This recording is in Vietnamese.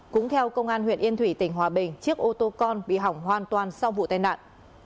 cũng theo công an huyện yên thủy tỉnh hòa bình chiếc ô tô con bị hỏng hoàn toàn sau vụ tai nạn